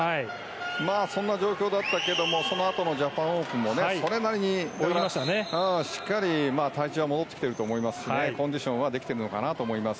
そんな状況だったけどそのあとのジャパンオープンもそれなりにしっかり体調は戻っていると思うのでコンディションはできてきていると思います。